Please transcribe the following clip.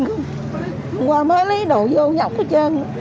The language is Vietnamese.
hôm qua mới lấy đồ vô nhọc hết trơn